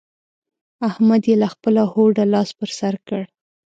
احمد يې له خپله هوډه لاس پر سر کړ.